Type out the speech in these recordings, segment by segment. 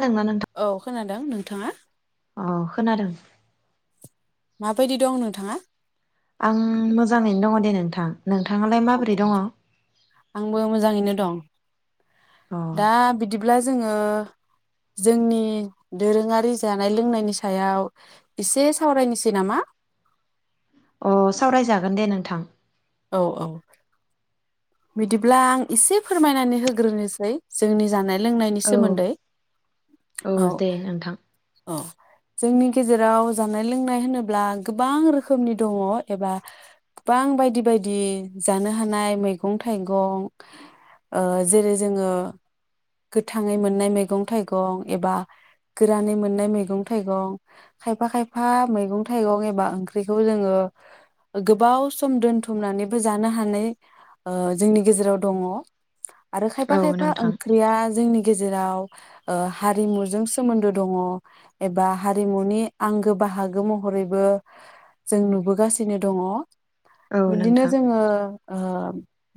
खोनादोंना नोंथां औ खोना दों नोंथाङा अ खोनादों। माबादि दं नोंथाङा? आं मोजाङैनो दङ दे नोंथां। नोंथाङालाय माबोरै दङ अ आंबो मोजाङैनो दं। दा बिदिब्ला जोङो जोंनि दोरोङारि जानाय लोंनायनि सायाव एसे सावरायनोसै नामा? अ सावरायजागोन दे नोंथां। औ औ बिदिब्ला आं एसे फोरमायनानै होग्रोनोसै जोंनि जानाय लोंनायनि औ सोमोन्दै औ। दे नोंथां अ जोंनि गेजेराव जानाय लोंनाय होनोब्ला गोबां रोखोमनि दङ एबा गोबां बायदि बायदि जानो हानाय मैगं थाइगं ओ जेरै जोङो गोथाङै मोननाय मैगं थाइगं एबा गोरानै मोननाय मैगं थाइगं खायफा खायफा मैगं थाइगं एबा ओंख्रिखौ जोङो गोबाव सम दोनथुमनानैबो जानो हानाय ओ जोंनि गेजेराव दङ। आरो खायफा औ खायफा ओं नोंथां दा जोंनि गेजेराव ओ हारिमुजों सोमोन्दो दङ एबा हारिमुनि आंगो बाहागो महरैबो जों नुबोगासिनो दङ। औ बिदिनो नोंथां जोङो ओ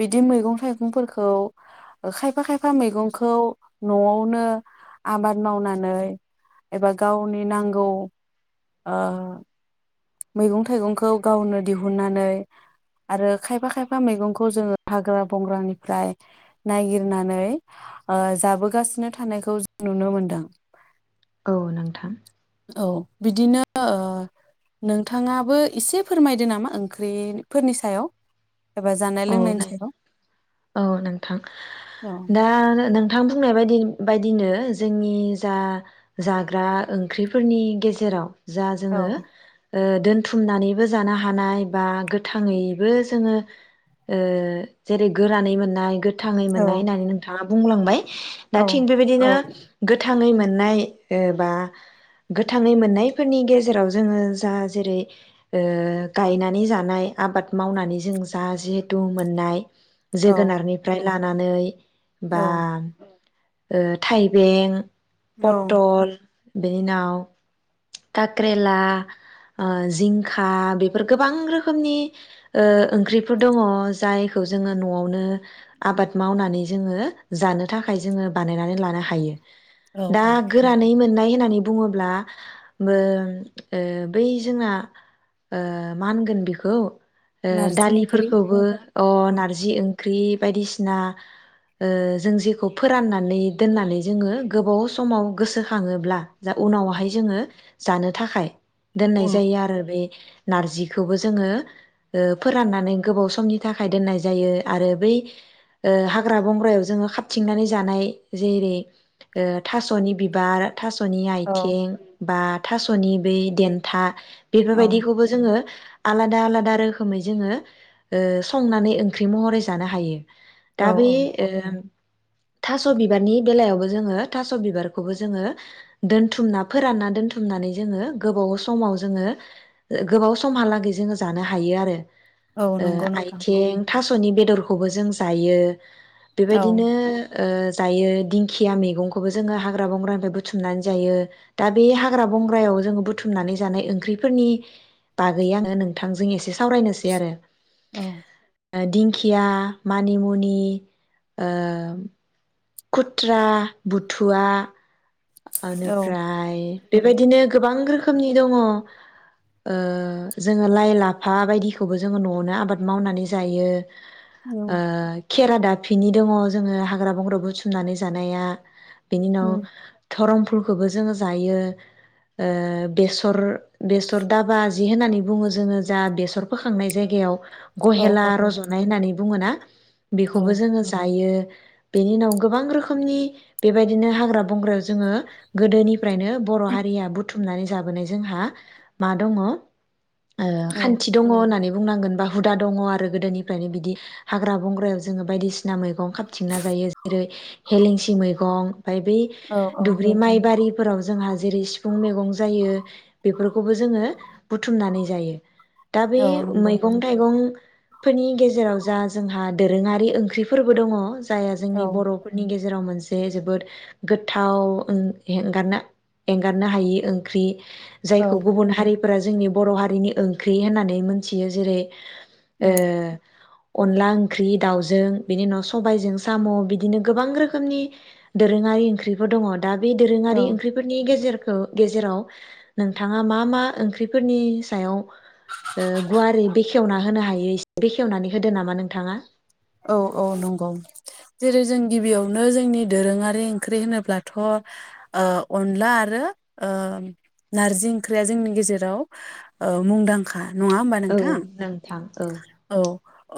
बिदि मैगं थाइगंफोरखौ खायफा खाय फा मैगंखौ न'आवनो आबाद मावनानै एबा गावनि नांगौ ओ मैगं थाइगंखौ गावनो दिहुननानै आरो खायफा खायफा मैगंखौ जोङो हाग्रा बंग्रानिफ्राय नायगिरनानै ओ जाबोगासिनो थानायखौ जों नुनो मोनदों। औ नोंथां औ बिदिनो ओ नोंथाङाबो एसे फोरमायदो नामा ओंख्रिफोरनि सायाव? एबा जानाय औ लोंनायनि सायाव औ नोंथां औ दा नोंथां बुंनाय बायदि बायदिनो जोंनि जा जाग्रा ओंख्रिफोरनि गेजेराव जा जोङो ओ दोनथुमनानैबो जानो हानाय बा गोथाङैबो जोङो ओ जेरै गोरानै मोननाय गो थाङै औ मोननाय होननानै नोंथाङा बुंलांबाय दा औ थिग बेबायदिनो गोथाङै मोन मोननाय बा गोथाङै मोननाय फोरनि गेजेराव जोङो जा जेरै ओ गायनानै जानाय आबाद मावनानै जों जा जिहे तु मोननाय औ जोगोनारनिफ्राय लानानै बा औ ओ थाइबें औ पटल बेनि उनाव काक्रेला जिंखा बेफोर गोबां रोखोमनि ओ ओंख्रिफोर दङ। जायखौ जोङो न'आवनो आबाद मावनानै जोङो जानो थाखाय जोङो बानायनानै लानो हायो। औ दा औ गोरानै मोननाय होननानै बुङोब्ला बै ओ जोंना ओ मा होनगोन बिखौ ओ नारजि ओंख्रि दालिफोरखौबो अ औ नारजि ओं ख्रि बायदिसिना ओ जों जेखौ फोराननानै दोननानै जोङो गोबाव समाव गोसोखाङोब्ला जा उनावहाय जोङो जानो थाखाय दोननाय औ जायो आरो बे नारजिखौबो जोङो ओ फोराननानै गोबाव समनि थाखाय दोननाय जायो आरो बै ओ हाग्रा बंग्रायाव जोङो खाबथिंनानै जानाय जेरै थास'नि बिबार थास'नि औ आइथिं बा थास'नि बै देनथा बेफोर बायदिखौबो जोङो आलादा आलादा रोखोमै जोङो ओ संनानै ओंख्रि महरै जानो हायो। औ दा बे औ ओ थास' बिबारनि बेलायावबो जोङो थास' बिबारखौबो जोङो दोनथुमना फोरानना दोनथुमनानै जोङो गोबाव समाव जोङो गोबाव समहालागै जोङो जानो हायो आरो। औ ओ नंगौ नोंथां थास'नि बेदरखौबो जों जायो। औ बेबायदिनो ओ जायो दिंखिया मैगंखौबो जोङो हाग्रा बंग्रानिफ्राय बुथुमनानै जायो। दा बे हाग्रा बंग्रायाव जोङो बुथुमनानै जानाय ओंख्रिफोरनि बागै आङो नोंथांजों एसे सावरायनोसै आरो औ दिंखिया मानिमुनि ओ खुथ्रा बुथुवा औ ओनिफ्राय बेबायदिनो गोबां रोखोमनि दङ ओ जोङो लाइ लाफा बायदिखौबो जोङो नवावनो आबाद मावनानै जायो। औ ओ खेरा दाफिनि दङ जोङो हाग्रा बंग्रायाव बु थुमनानै जानाया। बिनि उनाव उम धरम फुलखौबो जोङो जायो। ओ बेसर बेसर दाबा जि होननानै बुङो जोङो जा बेसर फोखांनाय जायगायाव औ गहेला औ औ रजनाय होननानै बुङो ना? औ बेखौबो जोङो जायो। बिनि उनाव गोबां रोखोमनि बेबायदिनो हाग्रा बंग्रायाव जोङो गोदोनि फ्रायनो बर' हारिया बुथ बुथुमनानै जाबोनाय जोंहा मा दङ? ओ खान्थि दङ होननानै बुंनांगोन बा हुदा दङ आरो गोदोनिफ्रायनो बिदि हाग्रा बंग्रायाव जोङो बायदिसिना मैगं खाबथिंना जायो जेरै हेलेंसि मैगं ओमफ्राय बै औ दुब्रि माइबारि फोराव जोंहा जेरै सिफुं मैगं जायो बेफोरखौबो जोङो बुथुमनानै जायो। दा बै औ नंगौ मैगं थाइगं फोरनि गेजेराव जा जोंहा दोरोङारि ओंख्रिफोरबो दङ जाय औ जोंनि बर'फोरनि गेजे जेराव मोनसे जोबोद गोथाव ओं एंगारना एंगारनो हायि ओंख्रि। औ जायखौ गुबुन हारि फोरा जोंनि बर' हारिनि ओंख्रि होननानै मोनथियो जेरै ओ अनला ओंख्रि दाउजों बिनि उनाव सबायजों साम बिदिनो गोबां रोखोमनि दोरोङारि ओंख्रिफोर दङ। दा बे औ दोरोङारि ओंख्रिफोरनि गेजेर ओ गेजेराव नोंथाङा मा मा ओंख्रिफोरनि सायाव ओ गुवारै बेखेवना होनो हायो बेखेवनानै होदो नामा नोंथाङा? औ औ नंगौ जेरै जों गिबियावनो जोंनि दोरोङारि ओंख्रि होनोब्लाथ ओ अनला आरो ओ नारजि ओंख्रिया जोंनि गेजेराव ओ मुंदांखा नङा होमबा औ नोंथां? नोंथां औ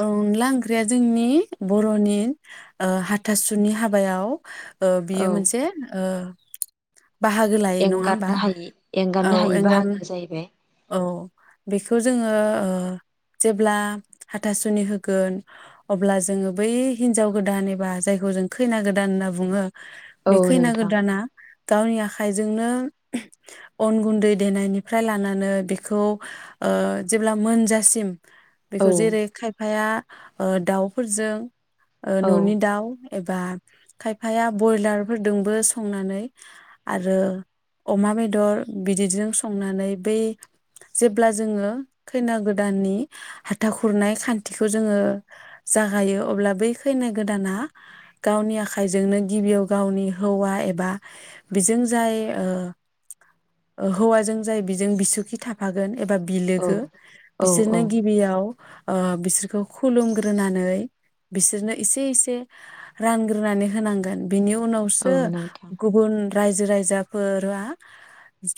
औ अनला ओंख्रिया जोंनि बर'नि ओ हाथासुनि हाबायाव ओ बियो औ मोनसे ओ बाहागो लायो नङा होमबा एंगारनो हायि औ एंगारनो हायि एंगारनो बाहागो जाहैबाय। औ बेखौ जोङो ओ जेब्ला हाथासुनि होगोन अब्ला जोङो बै हिनजाव गोदान एबा जायखौ जों खैना गोदान होनना बुङो। औ बे खैना नोंथां गोदाना गावनि आखाइजोंनो अन गुनदै देनायनिफ्राय लानानै म बेखौ जेब्ला मोनजासिम औ बेखौ जेरै खायफाया ओ दाउफोरजों औ न'नि दाउ एबा खायफाया बयलारफोरजोंबो संनानै आरो अमा बेदर बिददिजों संनानै बै जेब्ला जोङो खैना गोदाननि हाथा खुरनाय खानथिखौ जोङो जागायो अब्ला बै खैना गोदाना गावनि आखाइजोंनो गिबियाव गावनि हौवा एबा बेजों जाय हौवाजों जाय बेजों बिसुखि थाफागोन एबा औ बिलोगो औ बिसोरनो औ गिबियाव ओ बिसोरखौ खुलुमग्रोनानै बिसोरनो एसे एसे रानग्रोनानै होनांगोन बिनि औ उनावसो नोंथां गुबुन रायजो राजाफोरा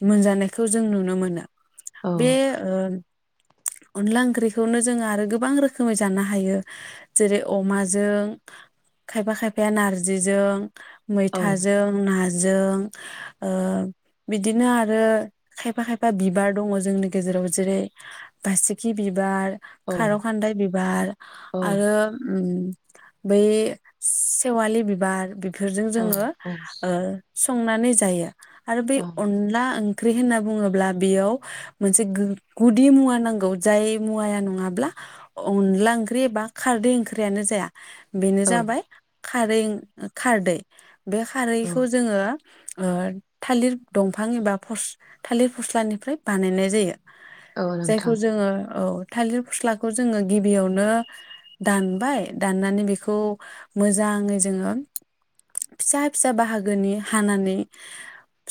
मोनजानायखौ जों नुनो मोनो औ बे ओ अनला ओंख्रिखौनो जोंङो आरो गोबां रोखोमै जानो हायो जेरै अमाजों खायफा खायफाया नारजिजों औ मैथाजों ना जों ओ बिदिनो आरो खायफा खायफा बिबार दङ जोंनि गेजेराव जेरै बासिखि बिबार औ खार'खानदाय बिबार औ आरो उम बै सेवालि बिबार बेफोरजों औ जोङो ओ संनानै जायो आरो बे औ अनला ओं ख्रि होनना बुङोब्ला बेयाव मोनसे गुदि मुवा नांगौ जाय मुवाया नङाब्ला अनला ओंख्रि एबा खारदै ओंख्रियानो जाया बेनो औ जाबाय खारै खारदै बे औ खारैखौ जोङो ओ थालिर दंफां एबा फस थालिर फस्लानिफ्राय बानायनाय जायो औ जायखौ नोंथां जोङो औ थालिर फस्लाखौ जोङो गिबियावनो दानबाय दाननानै बेखौ मोजाङै जोङो फिसा फिसा बाहागोनि हानानै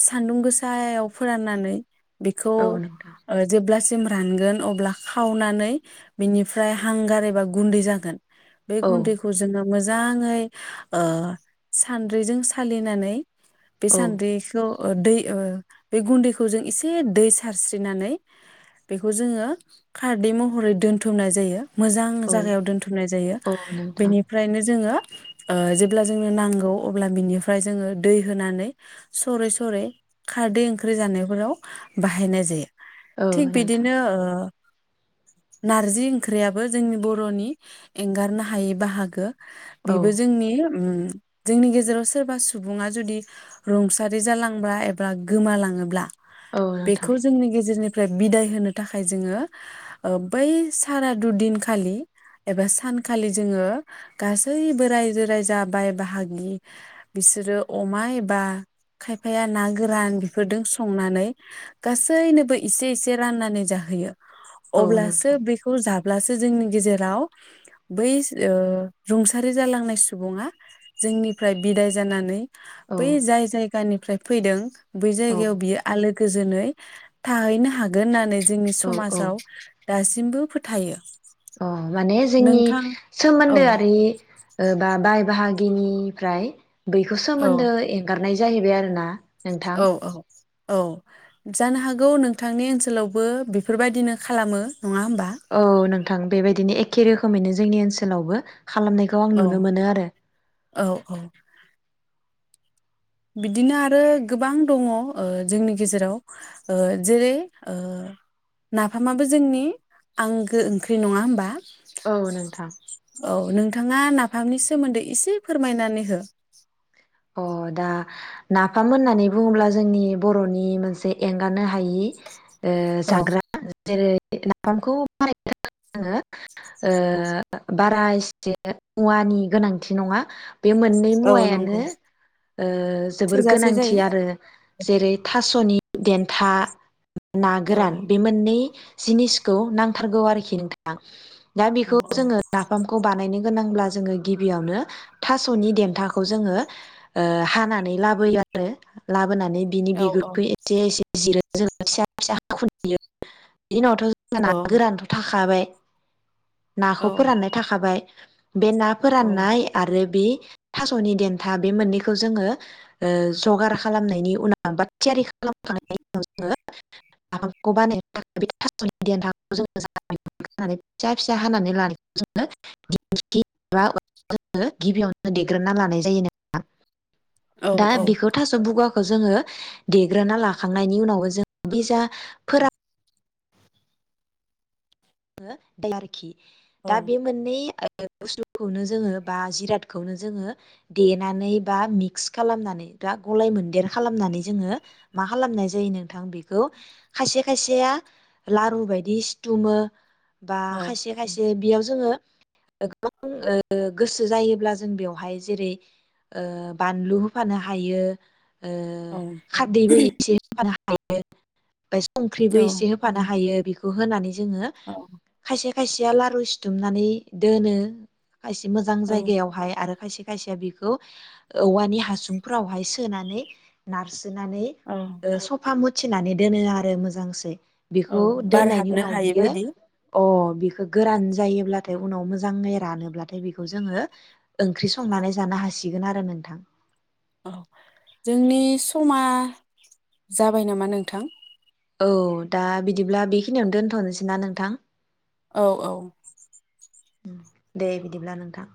सानदुं गोसायाव फोराननानै बेखौ औ नोंथां ओ जेब्ला सिम रानगोन अब्ला खावनानै बिनिफ्राय हांगार एबा गुन्दै जागोन बेै औ गुन्दैखौ जोंङो मोजाङै ओ सान्द्रिजों सालिनानै बे औ सान्द्रिखौ ओ दै ओ बे गुन्दैखौ जों एसे दै सारस्रिनानै बेखौ जोङो खारदै महरै दोनथुमनाय जायो मोजां औ जागायाव दोनथुमनाय जायो औ नोंथां बेनिफ्रायनो जोङो ओ जेब्ला जोंनो नांगौ अब्ला बिनिफ्राय जोङो दै होनानै सरै सरै खारदै ओंख्रि जानायफोराव बाहायनाय जायो औ थिग नोंथां बिदिनो ओ नारजि ओंख्रियाबो जोंनि बर'नि एंगारनो हायै बाहागो औ बेबो जोंनि जोंनि गेजेराव सोरबा सुबुङा जुदि रुंसारि जालांबा एबा गोमालां ङोब्ला औ नोंथां बेखौ जोंनि गेजेरनि फ्राय बिदाय होनो थाखाय जोङो बै सारादुदिनखालि एबा सानखालि जोङो गासैबो रायजो राजा बाय बाहागि बिसोरो अमा एबा खायफाया ना गोरान बेफोरदों संनानै गासैनोबो इसे एसे राननानै जाहोयो औ अब्लासो नोंथां बेखौ जाग अब्लासो जोंनि गेजेराव बै ओ रुंसारि जालांनाय सुबुङा जोंनिफ्राय बिदाय जानानै औ बै जाय जाय गानिफ्राय फैदों बै जायगायाव बियो आलो गोजोनै थाहैनो हागोन होननानै जोंनि औ औ समाजाव दासिमबो फोथायो अ माने जोंनि नोंथां औ सोमोन्दोआरि ओ बा बाय बाहागि गिनिफ्राय बैखौ औ सोमोन्दो एंगारनाय जाहैबाय आरोना नोंथां औ औ औ जानो हागौ नोंथांनि ओनसोलावबो बेफोरबायदिनो खालामो नङा होमबा औ नोंथां बेबायदिनो एखे रोखो खोमैनो जोंनि ओनसोलावबो खालामनायखौ आं औ नुनो मोनो आरो औ औ बिदिनो आरो गोबां दङ ओ जोंनि गेजेराव ओ जेरै ओ नाफामाबो जोंनि आंगो ओंख्रि नङा होमबा? औ नोंथां नोङा नाफामनि सोमोनदै इसे फोरमायनानै हो अ दा नाफाम होननानै बुङोब्ला जोंनि बर'नि मोनसे एंगानो हा हायि ओ औ जाग्रा जेरै [unintelligible] नाफामखौ [unintelligible] ओ बारा एसे औवानि गोनांथि नङा बे मोननै औ मुवायानो नंगौ ओ जोबोर थोजासे गोनांथि जायो आरो जेरै था सनि देनथा ना औ गोरान बे मोननै जिनिसखौ नांथारगौ आरोखि नोंथां। दा औ बेखौ जोङो नाफामखौ बानायनो गोनांब्ला जोङो गिबियावनो थास'नि देनथाखौ जोङो ओ हानानै लाबोयो आरो ला होनानै बिनि औ बिगुरखौ एसे एसे जिरो जोङो फिसा फिसा हाखुनथियो दिनावथ' जों औ ना गोरानथ' थाख खाबाय नाखौ औ फोराननाय थाखाबाय बे ना औ फोराननाय आरो बे थास'नि देन्था बे मोननैखौ जोङो ओ जगार खालामनायनि उनाव बा थियारि खालामखांनायनि उनाव जोङो [unintelligible] बानायनो [unintelligible] फिसा फिसा हानानै लानायखौ जोङो [unintelligible] गिबियावनो देग्रोना लानाय जायोनो। [unintelligible] औ दा बेखौ थास' बुगा खौ जोङो देग्रोना लाखांनायनि उनावबो जों बिजा फोरा आङो [unintelligible] दा बे मोननै बुसथुखौनो जोङो बा जिरादखौनो जोङो देनानै बा मिक्स खालामनानै बा गलाय मोनदेर खालामनानै जोङो मा खालामनाय जायो नोंथां बे खौ खायसे खायसे [unintelligible] लारु बायदि सिथुमो। बा खायसे खायसे‌ बियाव जोङो गोबां गोसो जायोब्ला जों बेवहाय जेरै बानलु होफानो हायो। ओ खारदैबो एसे हानो हा हायो। ओमफ्राय संख्रिबो एसे होफानो हायो। बेखौ होनानै जोङो खायसे खायसेया लारु सिथुमनानै दोनो। खायसे मोजां औ जायगायावहाय आरो खायसे खायसे बेखौ औवानि हासुंफोरावहाय सोनानै नार सोनानै ओ सफा थिनानै दोनो आरो मोजांसै। औ बेखौ बार दोननायनि हाबनो उनाव हायै बियो बायदि अ बेखौ गोरान जायोब्लाथाय उनाव मोजाङै रानोब्लाथाय बेखौ जोङो ओंख्रि संनानै जानो हासिगोन आरो नोंथां। औ जोंनि समा जाबाय नामा नोंथां? औ दा बिदिब्ला बेखिनियावनो दोनथ'नोसै ना नोंथां औ औ दे बिदिब्ला नोंथां